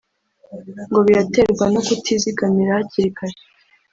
ngo biraterwa no kutizigamira hakiri kare